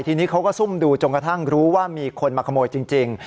ทีนี้เขาก็ซุ่มดูจนกระทั่งรู้ว่ามีคนมาขโมยจริง